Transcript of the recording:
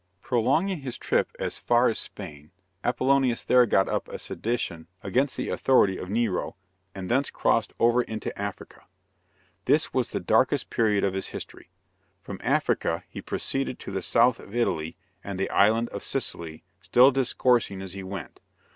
Prolonging his trip as far as Spain, Apollonius there got up a sedition against the authority of Nero, and thence crossed over into Africa. This was the darkest period of his history. From Africa, he proceeded to the South of Italy and the island of Sicily, still discoursing as he went.